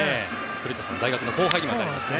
古田さんの大学の後輩にも当たりますね。